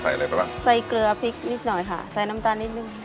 ใส่เกลือพริกพริกหน่อยค่ะใส่น้ำตาลนิดหนึ่ง